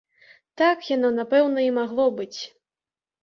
Так яно, напэўна, і магло быць.